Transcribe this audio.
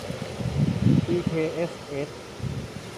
ดีเคเอสเอช